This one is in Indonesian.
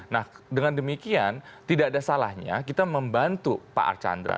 nah dengan demikian tidak ada salahnya kita membantu pak archandra